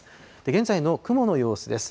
現在の雲の様子です。